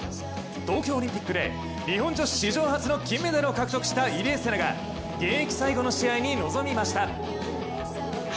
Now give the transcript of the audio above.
東京オリンピックで日本女子史上初の金メダルを獲得した入江聖奈が現役最後の試合に臨みました。